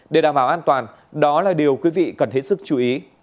để đảm bảo an toàn đó là điều quý vị cần hết sức chú ý